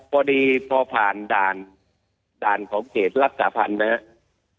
พอดีพอผ่านด่านของเขตรักษาพันธ์ไหมครับ